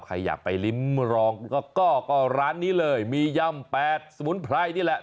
ใครอยากไปริ้มรองก็ร้านนี้เลยมีย่ำแปดสมุนไพรนี่แหละ